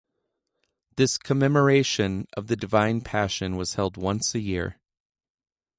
This commemoration of the divine passion was held once a year.